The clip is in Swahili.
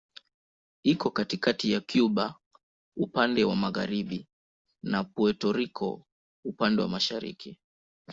Iko kati ya Kuba upande wa magharibi na Puerto Rico upande wa mashariki.